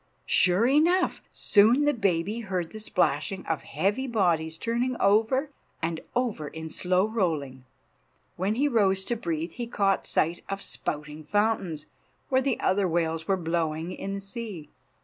Sure enough! soon the baby heard the splashing of heavy bodies turning over and over in slow rolling. When he rose to breathe he caught sight of spouting fountains, where the other whales were blowing in the sea.